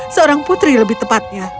seorang putri lebih tepatnya